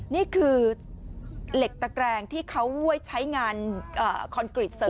นี่คือเหล็กตะแกรงที่เขาไว้ใช้งานคอนกรีตเสริม